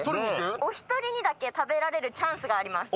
お一人にだけ食べられるチャンスがあります。